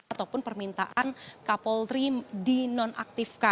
ataupun permintaan kapol tiga di nonaktifkan